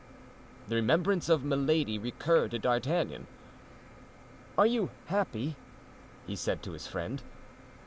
The remembrance of Milady recurred to D'Artagnan. "And you are happy?" he said to his friend.